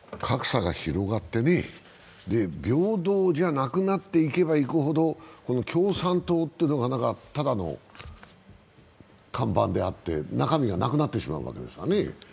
格差が広がって、平等じゃなくなっていけばいくほど共産党というのがただの看板であって中身がなくなってしまうわけですね。